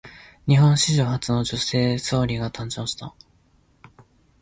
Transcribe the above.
日本史上初の女性総理大臣が誕生した。